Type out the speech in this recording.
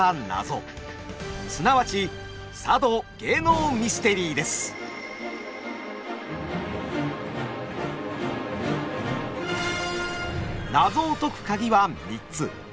すなわち謎を解くカギは３つ。